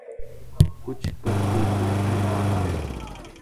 کچھ کرتوتوں کی مار ہے۔